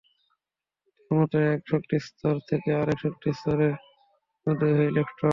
ভূতের মতো এক শক্তিস্তর থেকে আরেক শক্তিস্তরে উদয় হয় ইলেকট্রন।